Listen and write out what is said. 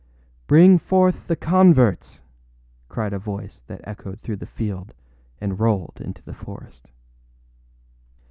âBring forth the converts!â cried a voice that echoed through the field and rolled into the forest.